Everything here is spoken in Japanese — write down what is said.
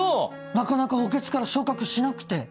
なかなか補欠から昇格しなくて。